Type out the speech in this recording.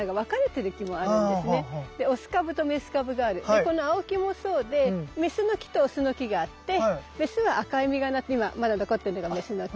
でこのアオキもそうでメスの木とオスの木があってメスは赤い実がなって今まだ残ってんのがメスの木。